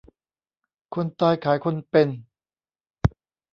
คนตายขายคนเป็น